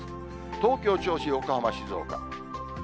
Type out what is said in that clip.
東京、銚子、横浜、静岡。